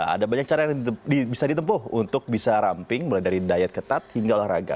ada banyak cara yang bisa ditempuh untuk bisa ramping mulai dari diet ketat hingga olahraga